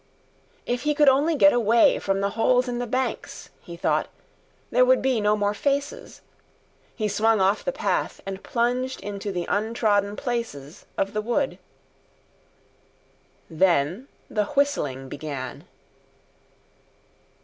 If he could only get away from the holes in the banks, he thought, there would be no more faces. He swung off the path and plunged into the untrodden places of the wood. Then the whistling began.